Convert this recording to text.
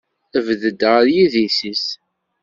Bded ɣer yidis-is.